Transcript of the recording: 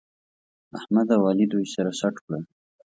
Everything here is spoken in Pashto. احمد او علي دوی سره سټ کړل